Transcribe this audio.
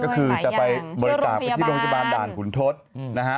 ก็คือจะไปบริจาคไปที่โรงพยาบาลด่านขุนทศนะฮะ